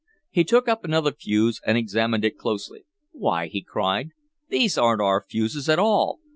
He took up another fuse, and examined it closely. "Why!" he cried. "These aren't our fuses at all.